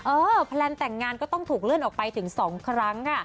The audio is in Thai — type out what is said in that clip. เอ่อแพลนแต่งงานต้องถูกเลื่อนออกไปถึงสองครั้ง